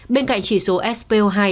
bên cạnh chỉ số spo hai